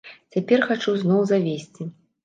Цяпер хачу зноў завесці.